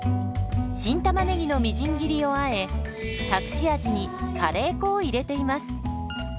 新たまねぎのみじん切りをあえ隠し味にカレー粉を入れています。